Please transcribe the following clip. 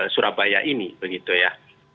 surabaya ini begitu ya